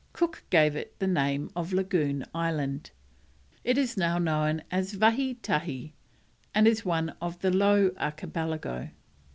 Cook gave it the name of Lagoon Island; it is now known as Vahitahi, and is one of the Low Archipelago.